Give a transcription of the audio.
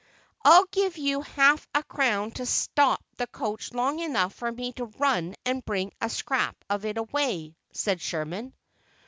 "I'll give you half a crown to stop the coach long enough for me to run and bring a scrap of it away," said Sherman.